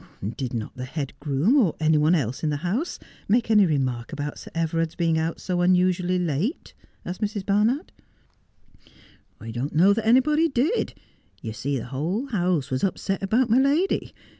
' Did not the head groom, or any one else in the house, make any remark about Sir Everard's being out so unusually late 'i ' asked Mrs. Barnard. ' I don't know that anybody did. You see the whole house ■was upset about my lady.